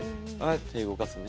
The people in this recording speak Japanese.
手を動かすね。